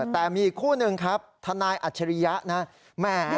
แต่มีอีกคู่หนึ่งครับทนายอัจฉริยะนะแหม